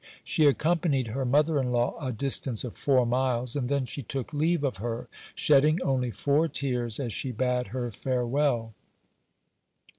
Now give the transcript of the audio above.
She accompanied her mother in law a distance of four miles, and then she took leave of her, shedding only four tears as she bade her farewell.